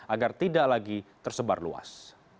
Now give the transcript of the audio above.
agar tidak lagi tersebar luas